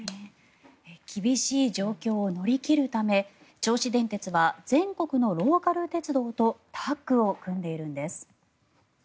厳しい状況を乗り切るため銚子電鉄は全国のローカル鉄道とタッグを組んでいるんです。